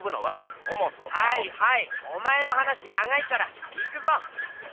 はいはいお前の話長いから行くぞ！